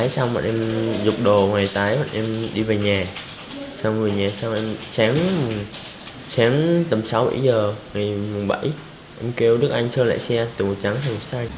sau đó sáng tầm sáu bảy giờ ngày bảy em kêu đức anh sơ lại xe từ trắng sang xanh